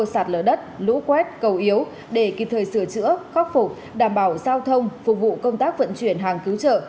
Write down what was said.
sạt lở đất lũ quét cầu yếu để kịp thời sửa chữa khắc phục đảm bảo giao thông phục vụ công tác vận chuyển hàng cứu trợ